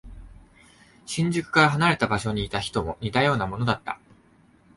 新宿から離れた場所にいた人も似たようなものだった。